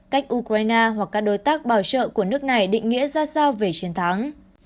cách ukraine hoặc các đối tác bảo trợ của nước này định nghĩa ra sao về chiến thắng